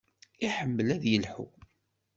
Iḥemmel ad yelḥu.